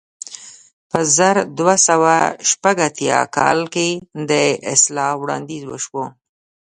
په زر دوه سوه شپږ اتیا کال کې د اصلاح وړاندیز وشو.